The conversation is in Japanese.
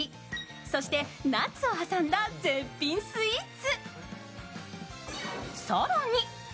そしてナッツを挟んだ絶品スイーツ。